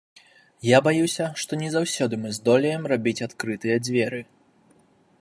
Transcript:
Я баюся, што не заўсёды мы здолеем рабіць адкрытыя дзверы.